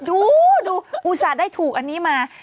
ดูดูอุตส่าห์ได้ถูกอันนี้มา